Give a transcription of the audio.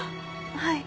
はい。